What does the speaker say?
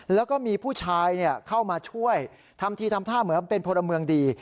แล้วก็มีผู้ชายเข้ามาช่วยทำทีทำท่าเหมือนเป็นพลเมืองดี